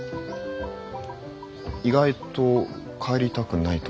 意外と帰りたくないとか？